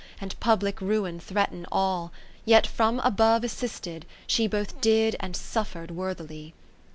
And public ruin threaten all. Yet from above assisted, she Both did and suffer'd worthily.